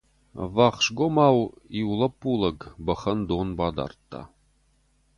Ӕввахсгомау иу лӕппулӕг бӕхӕн дон бадардта.